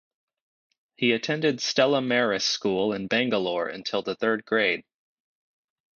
He attended Stella Maris School in Bangalore until the third grade.